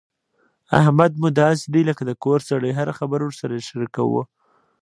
احمد مو داسې دی لکه د کور سړی هره خبره ورسره شریکوو.